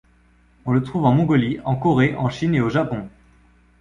On le trouve en Mongolie, en Corée, en Chine et au Japon.